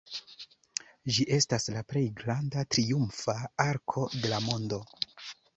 Ĝi estas la plej granda triumfa arko de la mondo.